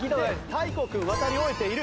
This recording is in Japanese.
大光君渡り終えている。